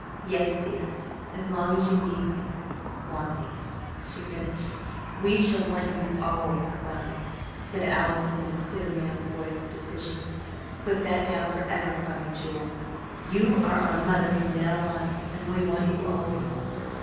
"Yes, dear, as long as you need me want me," she finished. "We shall want you always, Cloudy!" said Allison in a clear man's voice of decision. "Put that down forever, Cloudy Jewel. You are our mother from now on and we want you always."